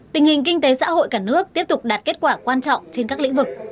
tình hình kinh tế xã hội cả nước tiếp tục đạt kết quả quan trọng trên các lĩnh vực